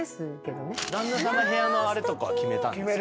旦那さんが部屋のあれとか決めたんですか？